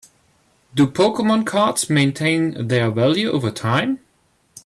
Do Pokemon cards maintain their value over time?